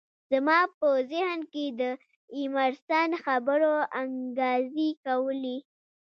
زما په ذهن کې د ایمرسن خبرو انګازې کولې